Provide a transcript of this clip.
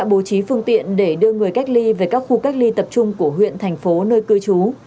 bố trí phương tiện để đưa người cách ly về các khu cách ly tập trung của huyện thành phố nơi cư trú